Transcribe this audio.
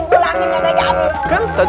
gak jadi cinta deh